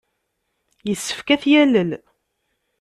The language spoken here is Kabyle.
Yessefk ad t-yalel.